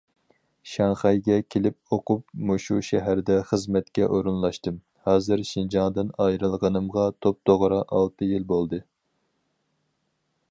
شاڭخەيگە كېلىپ ئوقۇپ مۇشۇ شەھەردە خىزمەتكە ئورۇنلاشتىم، ھازىر شىنجاڭدىن ئايرىلغىنىمغا توپتوغرا ئالتە يىل بولدى.